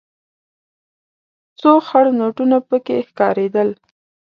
څو خړ نوټونه پکې ښکارېدل.